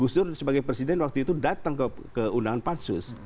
dan saya sebagai presiden waktu itu datang ke undangan pansus